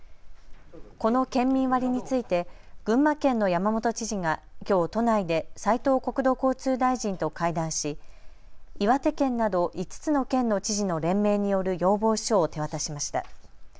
この県民割について群馬県の山本知事がきょう都内で斉藤国土交通大臣と会談し岩手県など５つの県の知事の連名による要望書を手渡しました。